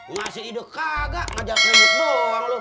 masa hidup kagak ngajak sembut doang lo